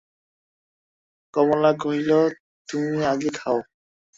কমলা কহিল, তুমি আগে খাও!